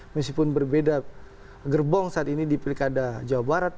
meskipun berbeda gerbong saat ini di pilkada jawa barat